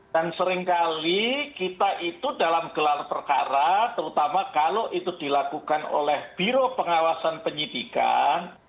dan seringkali kita itu dalam gelar perkara terutama kalau itu dilakukan oleh biro pengawasan penyidikan